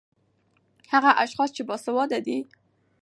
ـ هغه اشخاص چې باسېواده دي